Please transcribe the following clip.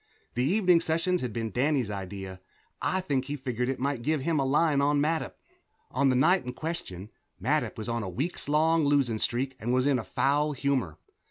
The evening sessions had been Danny's idea I think he figured it might give him a line on Mattup. On the night in question, Mattup was on a week's losing streak and was in a foul humor.